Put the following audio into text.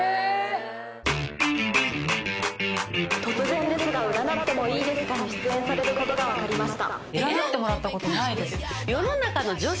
『突然ですが占ってもいいですか？』に出演されることが分かりました。